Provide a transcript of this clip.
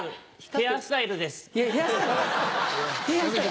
ヘアスタイルか。